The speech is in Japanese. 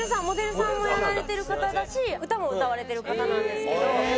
モデルさんもやられてる方だし歌も歌われてる方なんですけど。